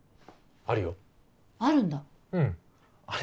あるよあるんだうんあれ？